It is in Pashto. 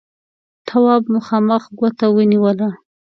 تواب مخامخ ګوته ونيوله: